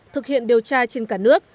thực hiện điều tra trên cả nước